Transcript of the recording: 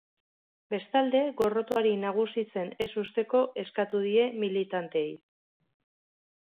Bestalde, gorrotoari nagusitzen ez uzteko eskatu die militanteei.